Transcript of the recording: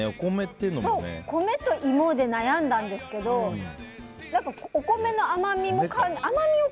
米と芋で悩んだんですけど、お米の甘みも。